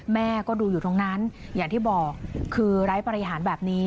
แม่ก็ดูอยู่ตรงนั้นอย่างที่บอกคือไร้บริหารแบบนี้